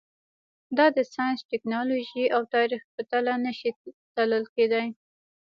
دا د ساینس، ټکنالوژۍ او تاریخ په تله نه شي تلل کېدای.